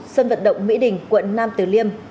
sân vận động mỹ đình quận nam từ liêm